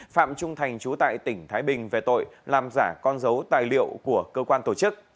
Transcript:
phạm trung thành chú tại tỉnh thái bình về tội làm giả con dấu tài liệu của cơ quan tổ chức